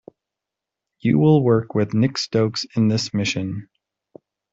You will work with Nick Stokes in this mission.